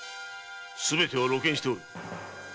すべては露見しておる。